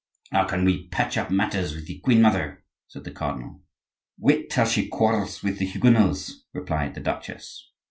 "How can we patch up matters with the queen mother?" said the cardinal. "Wait till she quarrels with the Huguenots," replied the duchess.